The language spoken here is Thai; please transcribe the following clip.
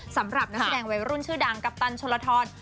สำหรับนักแสดงวัยรุ่นชื่อดังกัปตันชนลทร